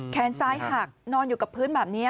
แขนซ้ายหักนอนอยู่กับพื้นแบบนี้